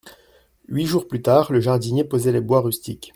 Huit jours plus tard, le jardinier posait les bois rustiques.